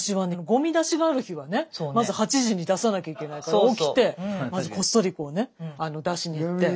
ごみ出しがある日はねまず８時に出さなきゃいけないから起きてこっそりこうね出しに行って。